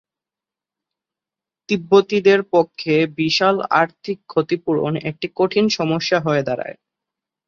তিব্বতীদের পক্ষে বিশাল আর্থিক ক্ষতিপূরণ একটি কঠিন সমস্যা হয়ে দাঁড়ায়।